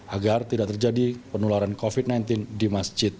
agar tidak terjadi penularan covid sembilan belas di masjid